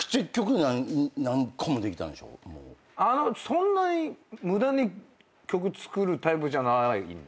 そんなに無駄に曲作るタイプじゃないんで。